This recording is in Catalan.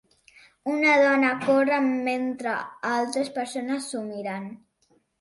Una dona corre mentre altres persones s'ho miren.